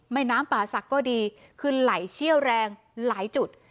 น้ำป่าศักดิ์ก็ดีขึ้นไหลเชี่ยวแรงหลายจุด